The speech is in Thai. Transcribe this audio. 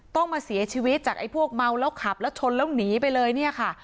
ต้องมาเสียชีวิตจากไอ้พวกเมาแล้วขับแล้วชนแล้วหนีไปเลยเนี่ยค่ะ